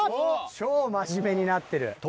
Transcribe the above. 超真面目になってる。